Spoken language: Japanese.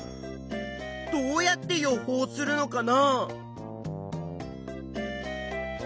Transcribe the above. どうやって予報するのかな？